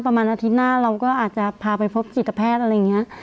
ประมาณอาทิตย์หน้าเราก็อาจจะพาไปพบจิตแพทย์อะไรอย่างนี้